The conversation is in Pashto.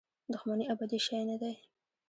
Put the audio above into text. دښمني ابدي شی نه دی.